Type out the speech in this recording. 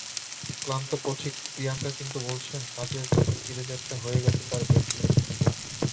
ক্লান্তপথিক প্রিয়াঙ্কা কিন্তু বলছেন, কাজের চাপে চিড়েচ্যাপ্টা হয়ে গেছে তাঁর ব্যক্তিগত জীবন।